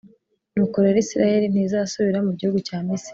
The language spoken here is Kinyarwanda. Nuko rero, Israheli ntizasubira mu gihugu cya Misiri,